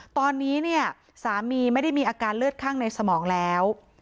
ตอนนี้เนี่ยสามีไม่ได้มีอาการเลือดข้างในสมองแล้ว